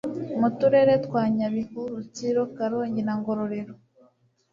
mu Turere twa Nyabihu, Rutsiro, Karongi na Ngororero)